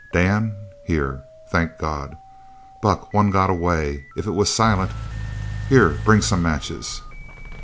"Dan!" "Here!" "Thank God!" "Buck, one got away! If it was Silent Here! Bring some matches."